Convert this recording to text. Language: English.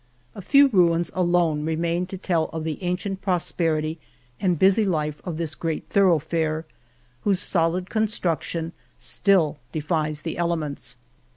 A few ruins alone remain to tell of the ancient prosperity and busy life of this great thoroughfare, whose solid construction still defies the elements.